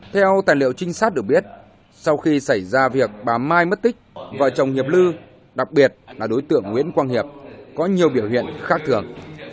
theo tài liệu trinh sát được biết sau khi xảy ra việc bà mai mất tích vợ chồng hiệp lư đặc biệt là đối tượng nguyễn quang hiệp có nhiều biểu hiện khác thường